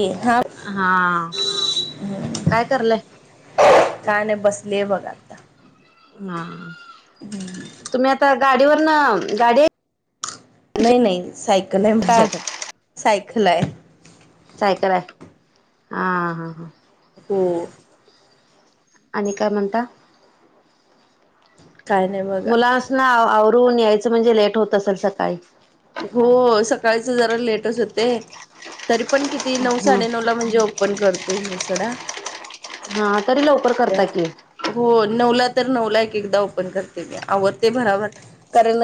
हा हा काय करलाय काय नाय बसले बघ आता हा तुम्ही आता गाडीवरन गाडी हाय नाही नाही सायकल हाय काय माझ्याकड सायकल हाय. सायकल हाय हा हां हां हो. आणि काय म्हणता काय नाही बघा मुलासना आ आवरून यायचं म्हणजे लेट होत असल सकाळी हो सकाळच जरा लेटच होते तरी पण किती नऊ ह साडेनऊ ला म्हणजे ओ पण करतेय मी सोडा हा तरी लवकर त्या करता की. हो नऊला तर नऊला एक एकदा ओपन करते मी आवरते भराभर कारण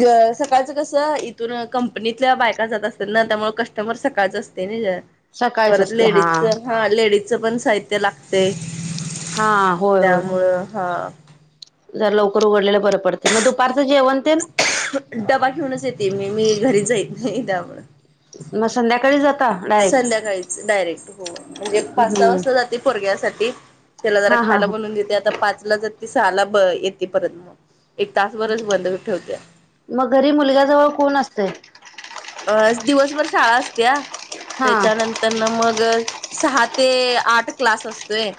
ग सकाळचं कसं इथून कंपनीतल्या बायका जात असतात ना त्यामुळ कस्टमर सकाळच असते नय जरा सकाळीच परत असते हा लेडीजचं हा लेडीजचं पण साहित्य लागतय. हा त्यामुळं हा जरा लवकर उघडलेलं बरं पडतय म दुपारचं जेवण तेनं डबा घेऊनच येते मी मी घरी जायीत नाही त्यामुळ म संध्याकाळी जात संध्याकाळीच डायरेक्ट हो. म्हणजे पाच सहा हम्म वाजता जाते पोरग्यासाठी त्याला जरा हा हा खायला हा बनवून देते आता पाच ला जाते सहाला ब येते परत म एक तासभरच बंद ठेवते. म घरी मुलग्याजवळ कोण असतय. अ दिवसभर शाळा असतेया हा त्याच्यानं त्यांना मग सहा ते आठ क्लास असतोय.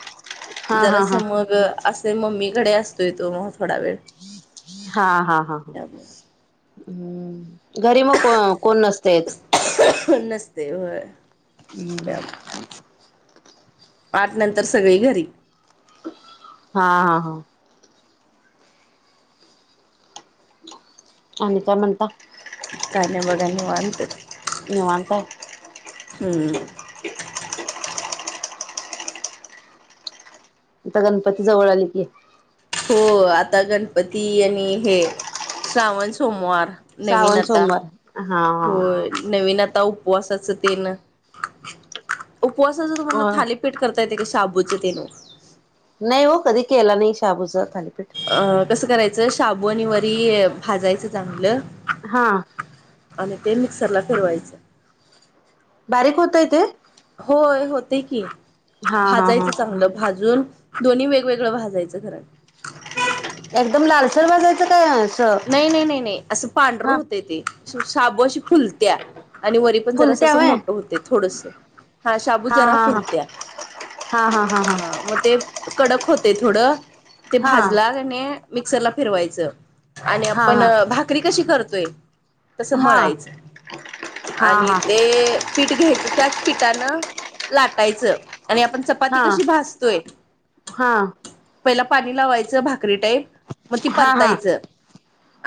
हा हा हा जरास हा मग असे मम्मीकडे असतोय तो म थोडा वेळ. हा हा हा हा हा त्यामुळे हूं घरी म को कोण नसतय. नसते होय. हम्म त्यामुळे आठ नंतर सगळी घरी हा हा हा आणि काय म्हणता काय नाय बघा निवांत निवांत आहे. हम्म आता गणपती जवळ आले की, हो आता गणपती आणि हे श्रावण सोमवार नवीन श्रावण आता सोमवार हा होय. नवीन आता उपवासाच तेन उपवासाच तुम्हाला हो थाली पीठ करता येते काय साबूचे ते? नाही हो कधी केला नाही शाबूचां थालीपीठ. अ कसं करायचं शाबू आणि वरी भाजायचं चांगलं. हां आणि ते मिक्सरला फिरवायचं. बारीक होतय ते? होय होते की हा हा हा भाजायचं चांगलं भाजून दोन्ही वेगवेगळं भाजायचं घरात. एकदम लालसर भाजायचं काय असं नाही नाही नाही नाही असं पांढरं हा होतय ते शाबू अशी फुलत्या. आणि वरी पण जरा फुलत्या असं व्हय मोठं होते थोडस हा शाबू जरा फुलतया. हा हा हा हां मग ते कडक होते थोडं ते हा भाजला कीनय मिक्सरला फिरवायचं. आणि आपण हा हा भाकरी कशी करतोय तसं हा हा मळायचं हा आणि हा ते पीठ घ्यायचं त्याच पीठानं लाटायचं आणि आपण च चपाती हा कशी भाजतोय हा हा पहिला पाणी लावायचं भाकरी टाईप मग ती हा हा परतायचं.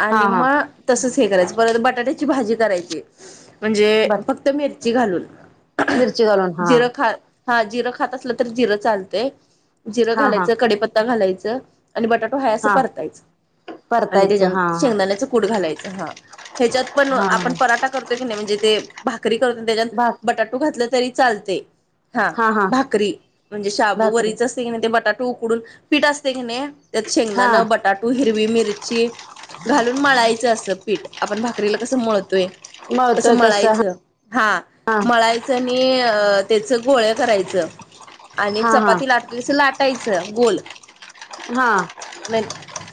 आणि हा हा मग तसच हे करायच परत बटाट्याची भाजी करायची म्हणजे बर फक्त त मिरची घालून मिरची घालून हा जिरं खात हा जिरं खात असलं तरी जिरं चालतंय जिरं हा हा घालायचं कडेपत्ता घालायचं. आणि बटाटू हाय असं हा परतायच. आणि परतायचं हा त्याच्यानंतर हा शेंगदाण्याच कूट घालायचं हा ह्याच्यात पण हा आपण पराठा करतो. म्हणजे ते भाकरी करतो त्याच्यात भाक बटाटू घातलं तरी चालतय. हा भाकरी म्हणजे शाबू भाकरी वरीच असते की नाही ते बटाटे उकडून पीठ असते की नाही त्यात हा शेंगदाणं बटाटू हिरवी मिरची घालून मळायचं असं पीठ. आपण भाकरीला कसं मळतोय तसं मळायचं. हा मळायचं आणि अ त्याच गोळ करायचं. आणि हा हा चपाती लाटतो तसं लाटायचं गोल. हां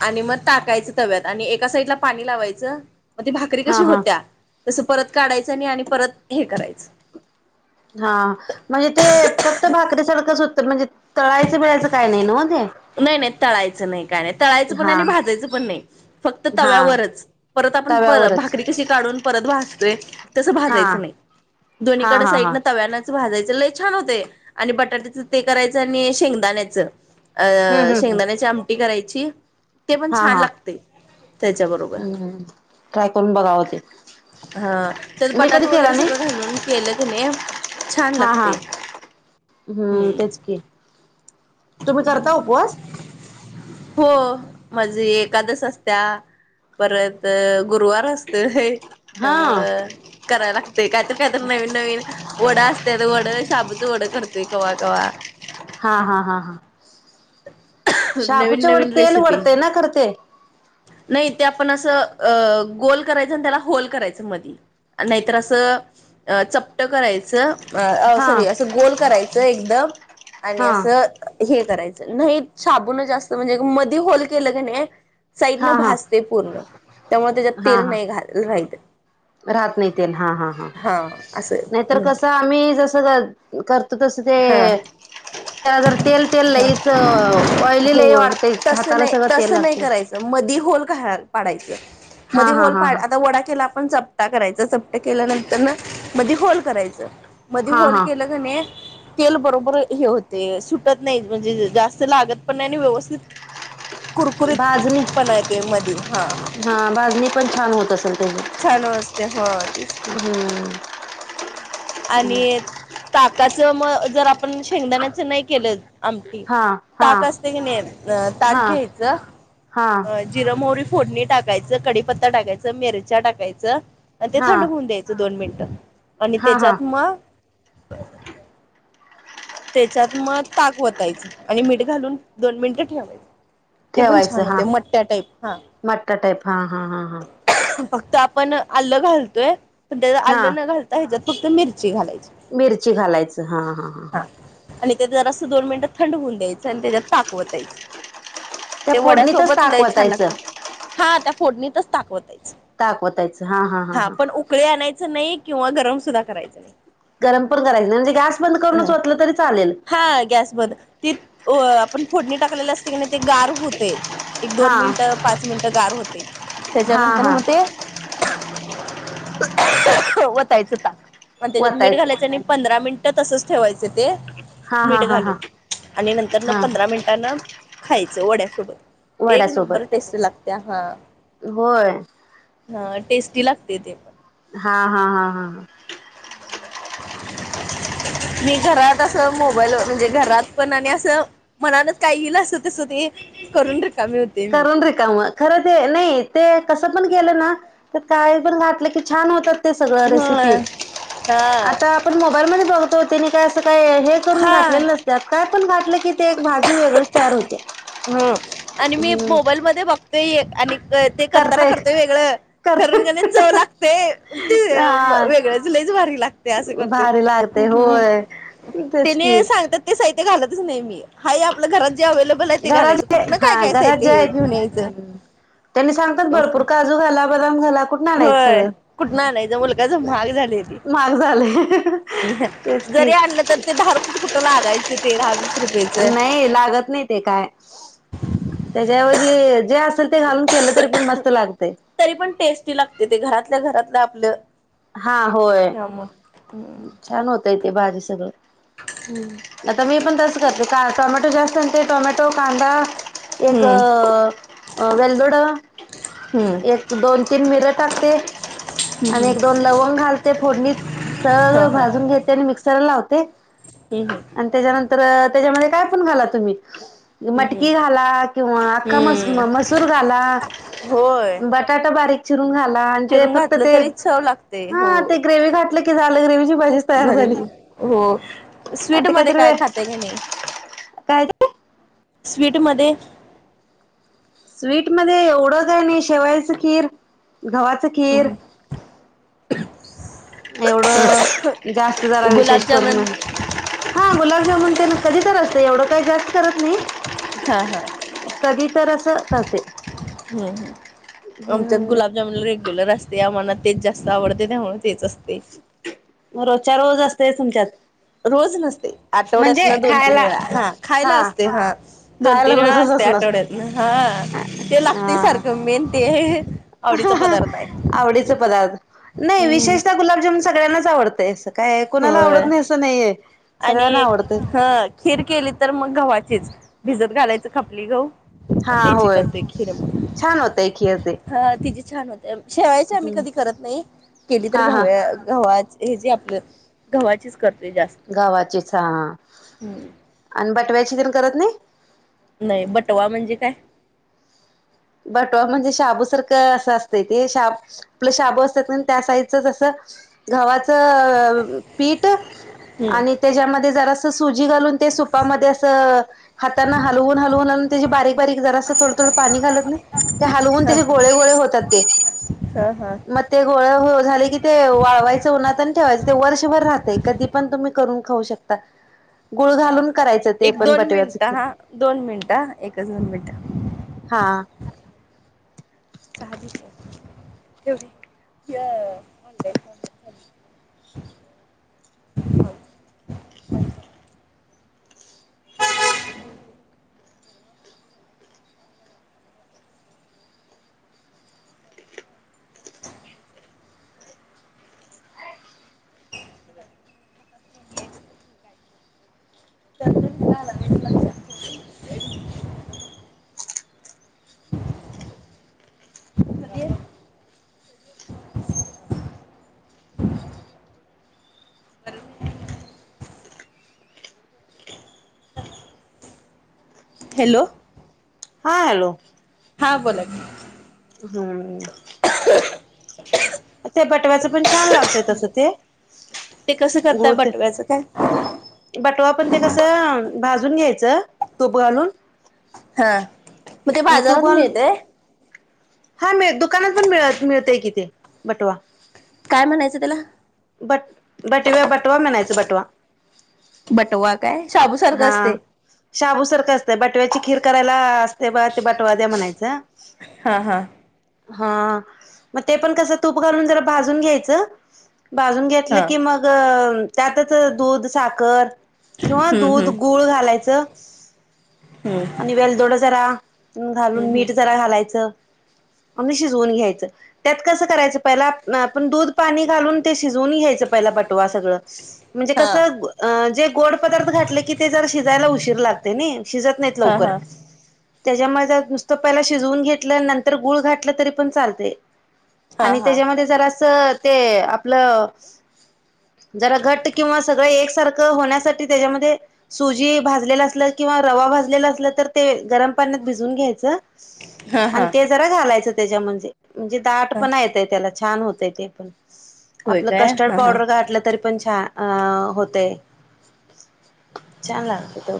आणि मग टाकायचं तव्यात आणि एका साईडला पाणी लावायचं. मग ती भाकरी हा कशी हा होत्या तसं परत काढायचं आणि परत हे करायचं. हा म्हणजे ते फक्त भाकरीेसारखंच होत म्हणजे तळायचं बिळायचं काय नाही न मग ते? नाही नाही तळायचं नाही. का नाही तळायच पण हा नाही भाजायचं पण नाही फक्त हा तव्यावरच परत आपण तव्यावरच भाकरी कशी काढून परत भाजतोय तस हा भाजायच नाही हा दोन्हीकड हा हा साईड तव्या भाजायच लय छान होतय आणि बटाट्याच ते करायचं आणि शेंगदाण्यायचं हम्म अं हम्म हम्म शेंगदाण्याची आमटी करायची. ते पण हा छान हा लागते त्याच्याबरोबर. हम्म ट्राय करून बघावं ते हा त्यात मी कधी बटाटो केला वगैरे नाही सगळं घालून केलं की नाही छान हा हा लागते. हम्म तेच की तुम्ही करता उपवास? हो म्हणजे एकादस असत्या. परत गुरुवार असतोय. हा त्यामुळं करायला लागते काहीतरी काहीतरी नवीन नवीन वडा असत त्याच वडं शाबूचं वडं करतोय कवा कवा. हा हा हा हां नवीन शाबूच्या वड नवीन तेल रेसिपी वढतंय ना खर ते. नाही ते आपण असं अ गोल करायचं आणि त्याला होल करायचं मधी. नाहीतर असं चपट करायचं. अ हा सॉरी असं गोल करायचं एकदम आणि हा असं हे करायचं नाही शाबण जास्त म्हणजे मध होल केलं क नाही साईडन हा हा भासते पूर्ण त्यामुळे त्याच्यात हा तेल हा नाही घाल राहित राहत नाही ते हा हा ह असं नाहीतर म्हण कसं आम्ही जस कर त तस ते ह त्याला जर तेल तेल लईच ऑइलीलाही होय वाढतय तसं हाता नाही सगळं तेल तसं नाही लागते करायचं मधी होल का पाडायचं मध हा हा होल हा हा आता वडा केला चपटा करायचा चपटा केल्यानंतर मध्ये होल करायचा न करायचं मध्ये हा होल हा केलं की तेल बरोबर हे होते सुटतं नाही म्हणजे जास्त लागत पण नाही व्यवस्थित कुरकुरीत भाजणी पण आहे ते मध हा हा भाजणी पण छान होत असेल त्याची छान वाजते हो तस हम्म आणि ताकाच मग जर आपण शेंगदाण्याचं नाही केलं आमटी हा हा ताक असते की नाही हा ताक घ्यायचं हा अ िरम मोरी फोडणी टाकायचं कडीीपत्ता टाकायचे मिरच्या टाकायचं आणि ते हा थंड होऊन द्यायचं दोन मिनिट आणि हा हा त्याच्यात मग त्याच्यात मग ताक वतायचं आणि मीठ घालून दोन मिनिटं ठेवायच ते पण ठेवायचं छान हा होते मट्ट्या टाईप हा मट्टा टाईप हा हा हा हा फक्त आपण आलं घालतोय पण त्या हा आलं न घालता ह्याच्यात फक्त मिरची घालायची मिरची घालायचं हा हा हा आणि ते जरासं दोन मिनिटं थंड होऊन द्यायचं आणि त्याच्यात ताकवतायचं त्या ते फोडणीतच वड्यासोबत ताक लय छान वतायचं लाग हा त्या फोडणीतच दाकवतायच ताकवतायचं हा हा हां हां उकळे आणायच नाही किंवा गरम सुद्धा करायचं नाही गरम पण करायचं नाही म्हणजे गॅस बंद करूनच नाही होतलं तरी चालेल हा गॅस बंद हा गॅस बद त अ आपण फोडणी टाकलेली असते की नाही ते गार होते एक हा दोन मिनिटं पाच मिनिटं गार होते हा त्याच्यानंतर हा मग ते वयच ताक त्याच्यात मीठ वतायचं घालायचं आणि पंधरा मिनिट तसच ठेवायच ते हा हा मीठ हा हा घालून आणि नंतर हा पंधरा मिनट त्यांना खायचं वड्यासोबत एक वड्यासोबत नंबर टेस्ट लागते हा होय हा टेस्टी लागते ते हा हा हा हा मी घरात असं मोबाईलवर म्हणजे घरात पण आणि असं मनातच काय येल असं तसं ते करून रीकामी होते मी करून पण. रे का मग खर ते नाही ते कसं पण कलं ना तर काही पण घातलं की छान होतात ते सगळ रेसिपी ह हा आता पण मोबाईल म बघतो त्यांनी काय असं काय हे करून हा घातलेले नसतत काय पण घातलं की ते एक भाजी वेगळेच तयार होते हम आणि मी हम्म मोबाईलमध्येध्ये बघतोय आणि ते करताना करतय करतेय वेगळं खरण कणे करत चव लागते ते हा वेगळ् च लयीच भारी लागतं ते असे करते भारी लागते होय तेच की त्याने सांगतात. ते साहित्य घालतच नाही. मी- हाय हे आपल्या घरात जे अवेलेबल आहे ते घरात घालायचं जे कुठन काय हा काय घरात जे साहित्य आहेत घेऊन यायचं त्यांनी सांगतात भरपूर काजू घाला, बदाम घाला कुठून आणायचं व्हय सगळं कुटन आणायाच मुलखाच महाग झालय ते. महाग झालंय तेच की जरी आणलं तर ते दहा रुपयेच कुठं लागायच ते दहा वीस रुपयेच नाही लागत नाही ते काय त्याच्याऐवजी जे असेल ते ते घालून केलं तरी पण मस्त लागतय तरी पण टेस्टी लागते ते घरातल्या घरातलं आपलं हा होय त्यामुळे छान होतय ते भारी सगळं [unintelligible] आता मी पण तसं करते का टोमॅटो जास्त आणि ते टोमॅटो, कांदा एक हम्म वेल्दोड एक दोन तीन मिर टाकते आणि हम्म दोन लवंग घालते फोडणीत हा सगळं हा भाजून घेते आणि मिक्सर लावते, हम् हम आणि त्याच्यानंतर त्याच्यामध्ये काय पण घाला तुम्ही हम्म मटकी घाला किंवा अख्खा मस हम्म मसूर घाला होय बट बटाटा बारीक चिरून घाला आणि ते चिरून फक्त घातलं ते तरी चव लागतय हा ते ग्रेवी घातलं की झालं ग्रेवीची भा झाले की हो आणि स्वीट ते मध्ये काहीतरी काय वे खातय का नाही काय ते स्वीटमध्येध्ये स्वीटमध्येध्ये एवढंच आहे नाही शेवायचं खीर गव्हाचं खीर एवढं जास्त झाला विशेष गुलाबजामन करून हा गुलाबजामुन ते कधी करत एवढं काही जास्त करत नाही हा हा कधी तर अस असे हम्म हम्म आमच्या हम्म गुलाबजामन रेग्युलर असते आम्हाला तेच जास्त आवडते त्यामुळे तेच असते मग रोजच्या रोज असतेय तुमच्यात रोज नसते आठवड्यात म्हणजे ना दोन तीन खायला वेळा हा खायला असते हा दोन खायला तीन वेळा रोजच असते असणार आठवड्यातन हा ते लागते सारखं मेहनती आहे ह आवडीच पदार्थ नाही हम्म विशेषतः गुलाबजामुन सगळ्यांनाच आवडतय अस काय कुणाला आवडत होय नाही असं नाहीये आणि सगळ्यांना आवडते ह खीर केली तर मग गव्हाचीच भिजत घालायचं खपली गह हा त्याची होय करतेय खिर छान होतय खीर ते हा तची छान होते शेवायचे आम्ही कधी करत नाही केली तर हा हा गव्या गव्हा हे जे आपलं गव्हाचीच करते जास्त गावाचेच हां हम्म आणि बटव्याची तर करत नाही नाही बटवा म्हणजे काय बटवा म्हणजे शाबूसारखं असं असत ते शाब आपलं शाब असतात ना त्या साईजचच असं घवा्हाच पीठ आणि हम्म त्याच्यामध्ये जरास सुजी घालून ते सुपामध्ये असं हाताना हलवून हलवूनलून त्याची बारीक बारीक जरा असं थोडं थोडं पाणी घालत हलवून हा त्याचे गोळे गोळे होतात ते हा हा म ते गोळ झाले की ते वाळवायचं उन्हातन ठेवायचं ते वर्षभर राहतय कधी पण तुम्ही करून खाऊ शकता गुळ हा घालून हा करायचं ते एक पण दोन बटव्याचं मिनिटं खीर हा दोन मिनिट एकच दोन मिनट हा चा तेवढे ऑन काम चालू. हॅलो हा हॅलो हां बोला म हम्म असच ते बटव्याच पण छान लागत ते कसं करतय गुळ ते बटव्याचं काय बटवा पण ते कसं भाजून घ्यायचं तूप घालून हा मग ते आणि तूप बाजारात घालून मिळते हा मिळ दुकानात पण मिळत मिळतय किथे बटवा काय म्हणायचं त्याला बट बटव्या बटवा म्हनायच बटवा बटवा कायु हा शाबूसारखं असतं बटव्याची खीर करायला असते बा ते बटवा द्या म्हणायचं हा हा हा मग ते पण कस तूप घालून जरा भाजून घ्यायच भाजून हा घ म त्या दूध साख हम्म दूध गुळ घालायचं हो वलदोड जरा घालून मीठ जरा घालायचं म्ह शिजवून घ्यायचं त्यात कसं करायचं पहिला आपण दूध पाणी घालून ते शिजवून घ्यायचं पहिला बटवा सगळं म्हणजे कसं हा जे गोड पदार्थ घातले की ते जरा शिजायला उशीर लागते नाही शिजत नाहीत हा लवकर हा त्याच्यामुळे नुसतं पहिला शिजवून घेतलं नंतर गुळ घातलं तरी पण चालते हा आणि हा त्याच्यामध्ये जरासं ते आपलं जरा घट्ट किंवा सगळं एकसारखं होण्यासाठी त्याच्यामध्ये सुजी भाजलेला असल किंवा रवा भाजलेला असलं तर ते गरम पाण्यात भिजवून घ्यायचं. आणि हा ते जरा घालायचं त्याच्या म्हंजे म्हणजे दाट हा पणा येते त्याला. छान होतेय ते पण होय आपलं काय कस्टर्ड हा हा पावडर घाटलं तरी पण छान आ होतय. छान लागत तो.